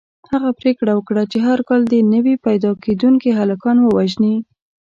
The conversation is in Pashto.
هغه پرېکړه وکړه چې هر کال دې نوي پیدا کېدونکي هلکان ووژني.